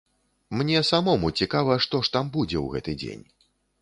Мне самому цікава, што ж там будзе ў гэты дзень.